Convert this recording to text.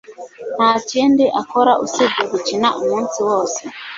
Nta kindi akora usibye gukina umunsi wose